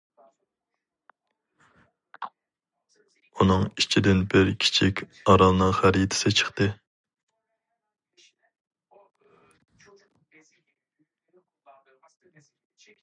ئۇنىڭ ئىچىدىن بىر كىچىك ئارالنىڭ خەرىتىسى چىقتى.